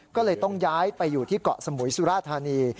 ก็เลยต้องย้ายไปอยู่ที่เกาะสมุยสุราธานี